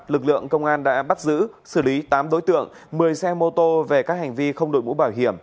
lực lượng công an đã bắt giữ xử lý tám đối tượng một mươi xe mô tô về các hành vi không đội mũ bảo hiểm